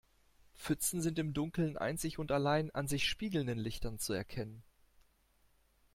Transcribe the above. Pfützen sind im Dunkeln einzig und allein an sich spiegelnden Lichtern zu erkennen.